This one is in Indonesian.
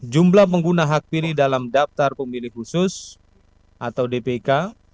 jumlah pengguna hak pilih dalam daftar pemilih khusus atau dpk